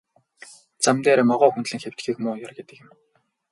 Зам дээр могой хөндлөн хэвтэхийг муу ёр гэдэг юм.